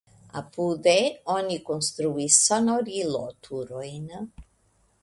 Apude oni konstruis sonoriloturojn.